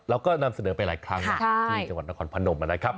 เราก็นำเสนอไปหลายครั้งนะที่จังหวัดนครพนมนะครับ